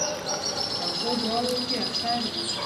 پخو دعاوو کې اثر وي